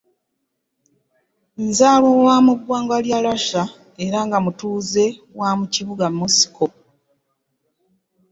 Nzaalwa wa mu ggwanga lya Lassa era nga mutuuze wa mu kibuga Mosiko.